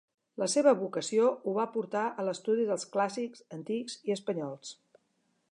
La seva vocació ho va portar a l'estudi dels clàssics, antics i espanyols.